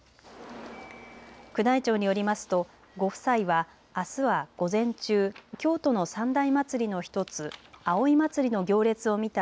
宮内庁によりますとご夫妻はあすは午前中、京都の三大祭りの１つ、葵祭の行列を見た